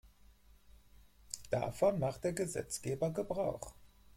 Davon machte der Gesetzgeber Gebrauch.